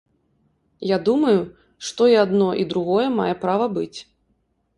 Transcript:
Я думаю, што і адно, і другое мае права быць.